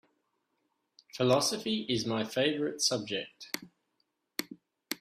Philosophy is my favorite subject.